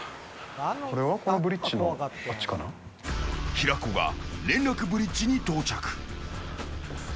平子が連絡ブリッジに到着。